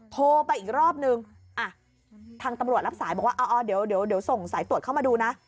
โทรไปอีกรอบนึงทางตำรวจรับสายบอกว่าเดี๋ยวส่งสายตรวจเข้ามาดูนะ